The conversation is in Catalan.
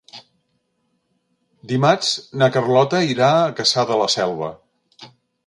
Dimarts na Carlota irà a Cassà de la Selva.